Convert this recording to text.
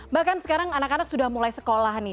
bahkan sekarang anak anak sudah mulai sekolah nih